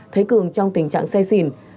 thấy cường trong tình trạng xe xỉn